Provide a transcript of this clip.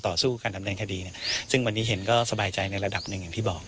สู้การดำเนินคดีเนี่ยซึ่งวันนี้เห็นก็สบายใจในระดับหนึ่งอย่างที่บอก